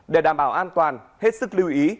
để đảm bảo an toàn hết sức lưu ý